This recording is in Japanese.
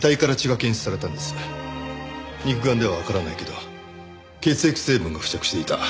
肉眼ではわからないけど血液成分が付着していた。